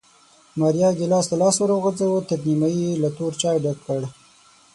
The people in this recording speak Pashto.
ماریا ګېلاس ته لاس ور وغځاوه، تر نیمایي یې له تور چای ډک کړ